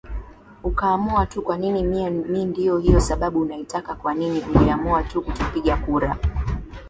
ukaamua tu kwanini mimi ndio hiyo sababu naitaka kwa nini uliamua tu kutopiga kura